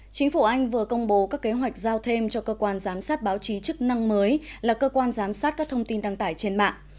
chính phủ anh vừa công bố các kế hoạch giao thêm cho cơ quan giám sát báo chí chức năng mới là cơ quan giám sát các thông tin đăng tải trên mạng